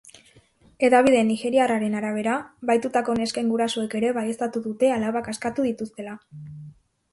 Hedabide nigeriarren arabera, bahitutako nesken gurasoek ere baieztatu dute alabak askatu dituztela.